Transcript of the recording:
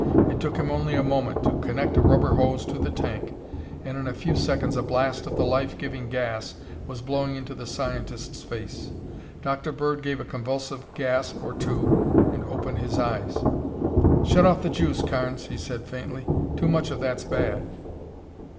It took him only a moment to connect a rubber hose to the tank, and in a few seconds a blast of the life giving gas was blowing into the scientist's face. Dr. Bird gave a convulsive gasp or two and opened his eyes. "Shut off the juice, Carnes," he said faintly. "Too much of that's bad."